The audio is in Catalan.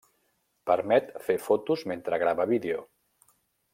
Permet fer fotos mentre grava vídeo.